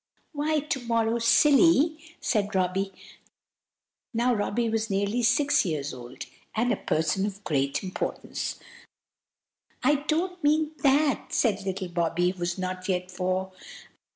"Why, to morrow, Silly!" said Robby. Now Robby was nearly six years old, and a person of great importance. "I don't mean that!" said little Bobby, who was not yet four.